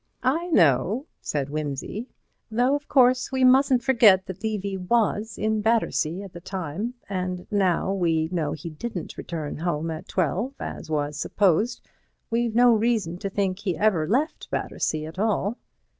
"I know," said Wimsey, "though of course we mustn't forget that Levy was in Battersea at the time, and now we know he didn't return home at twelve as was supposed, we've no reason to think he ever left Battersea at all."